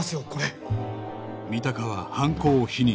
三鷹は犯行を否認